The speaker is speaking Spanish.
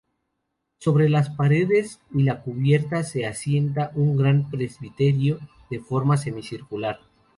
Sobre las paredes y la cubierta se asienta un gran presbiterio de forma semicircular.